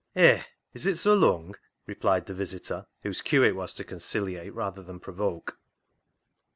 "Eh, is it so lung?" replied the visitor, whose cue it was to conciliate rather than pro voke.